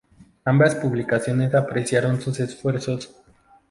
Ambas publicaciones apreciaron sus esfuerzos.